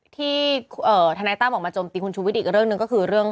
ทนายตั้มออกมาโจมตีคุณชูวิทย์อีกเรื่องหนึ่งก็คือเรื่อง